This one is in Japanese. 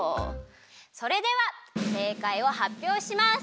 それではせいかいをはっぴょうします！